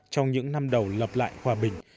trong những năm đầu lập lại hòa bình